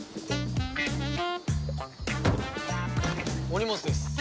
お荷物です。